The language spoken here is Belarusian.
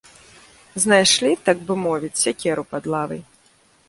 Знайшлі, так бы мовіць, сякеру пад лавай.